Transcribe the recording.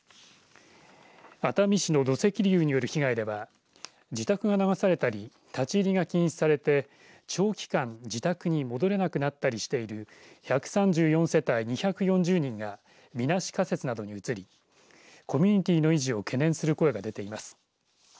熱海市の土石流による被害では自宅が流されたり立ち入りが禁止されて長期間自宅に戻れなくなったりしている１３４世帯２４０人がみなし仮設などに移りコミュニティーの維持を懸念する声が出ています。